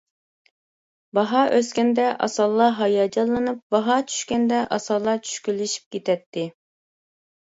باھا ئۆسكەندە ئاسانلا ھاياجانلىنىپ، باھا چۈشكەندە ئاسانلا چۈشكۈنلىشىپ كېتەتتى.